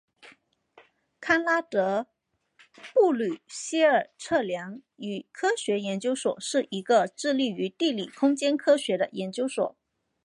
康拉德布吕歇尔测量与科学研究所是一个致力于地理空间科学的研究所。